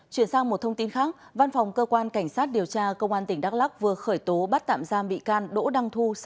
chuyển sang một thông tin khác văn phòng cơ quan cảnh sát điều tra công an tỉnh đắk lắc vừa khởi tố bắt tạm giam bị can đỗ đăng thu